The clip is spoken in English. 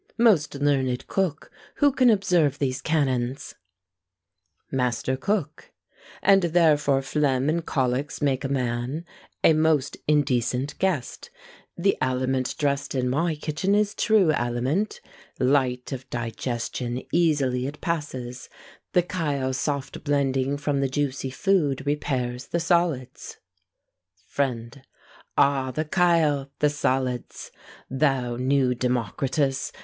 Most learned cook, who can observe these canons MASTER COOK. And therefore phlegm and colics make a man A most indecent guest. The aliment Dress'd in my kitchen is true aliment; Light of digestion easily it passes; The chyle soft blending from the juicy food Repairs the solids. FRIEND. Ah! the chyle! the solids! Thou new Democritus!